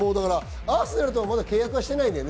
アーセナルとはまだ契約はしてないんだね。